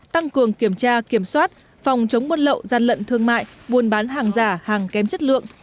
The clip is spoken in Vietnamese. tăng cường kiểm tra kiểm soát phòng chống buôn lậu gian lận thương mại buôn bán hàng giả hàng kém chất lượng